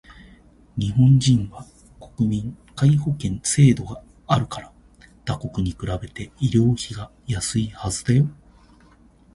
日本人は国民皆保険制度があるから他国に比べて医療費がやすいはずだよ